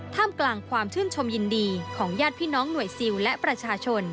กลางความชื่นชมยินดีของญาติพี่น้องหน่วยซิลและประชาชน